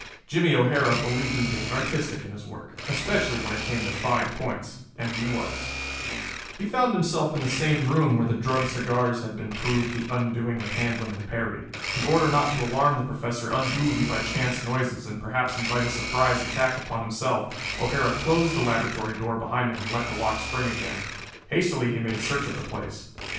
Jimmie O'Hara believed in being artistic in his work, especially when it came to fine points, and he was. He found himself in the same room where the drugged cigars had been proved the undoing of Handlon and Perry. In order not to alarm the Professor unduly by chance noises and perhaps invite a surprise attack upon himself, O'Hara closed the laboratory door behind him and let the lock spring again. Hastily he made search of the place.